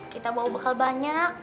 kita mau bakal banyak